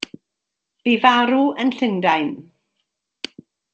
Bu farw yn Llundain.